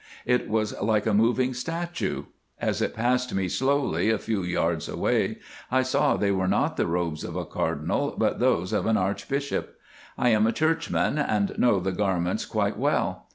It was like a moving statue. As it passed me slowly a few yards away, I saw they were not the robes of a Cardinal, but those of an Archbishop. I am a Churchman, and know the garments quite well.